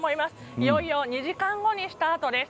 いよいよ２時間後にスタートです。